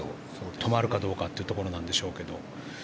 止まるかどうかというところなんでしょうが。